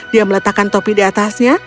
dia meletakkan topi di atasnya